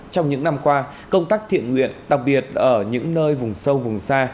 trong những năm qua công tác thiện nguyện đặc biệt ở những nơi vùng sâu vùng xa